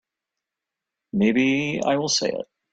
Maybe I will say it.